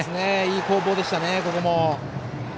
いい攻防でした、ここも。